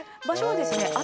場所はですね